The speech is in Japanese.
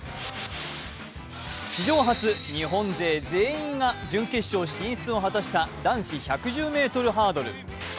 史上初、日本勢全員が準決勝進出を果たした男子１１０ｍハードル。